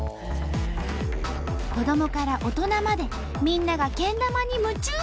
子どもから大人までみんながけん玉に夢中！